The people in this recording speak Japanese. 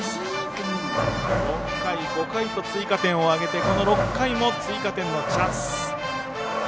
４回、５回と追加点を挙げてこの６回も追加点のチャンス。